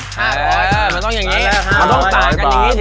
๕๐๐มันต้องอย่างนี้